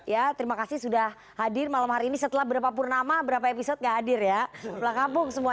ya terima kasih sudah hadir malam hari ini setelah berapa purnama berapa episode hadir ya